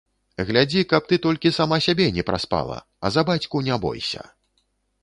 Глядзі, каб ты толькі сама сябе не праспала, а за бацьку не бойся!